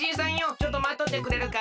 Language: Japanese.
ちょっとまっとってくれるか。